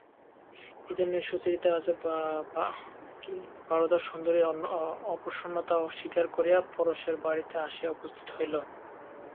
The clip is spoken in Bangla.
এইজন্য সুচরিতা আজ বরদাসুন্দরীর অপ্রসন্নতাও স্বীকার করিয়া পরেশের বাড়িতে আসিয়া উপস্থিত হইল।